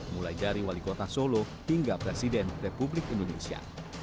mulai dari wali kota solo hingga presiden republik indonesia